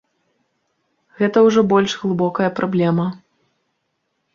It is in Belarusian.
Гэта ўжо больш глыбокая праблема.